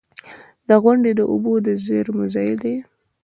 • غونډۍ د اوبو د زیرمو ځای دی.